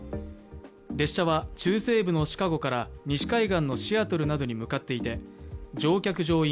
列車は中西部のシカゴから西海岸のシアトルなどに向かっていて、乗客・乗員